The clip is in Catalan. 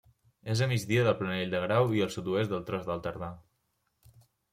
És a migdia del Planell del Grau i al sud-oest del Tros del Tardà.